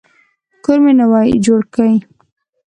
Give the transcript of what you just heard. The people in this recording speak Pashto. کور مي نوی جوړ کی.